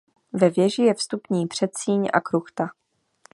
Ve věži je vstupní předsíň a kruchta.